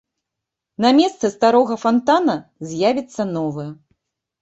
На месцы старога фантана з'явіцца новы.